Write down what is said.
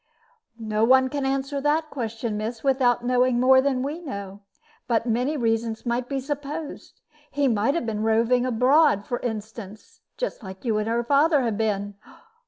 "No one can answer that question, miss, without knowing more than we know. But many reasons might be supposed. He might have been roving abroad, for instance, just as you and your father have been.